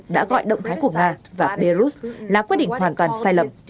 đã gọi động thái của nga và belarus là quyết định hoàn toàn sai lầm